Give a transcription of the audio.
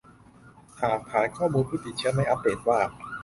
หากฐานข้อมูลผู้ติดเชื้อไม่อัปเดตว่า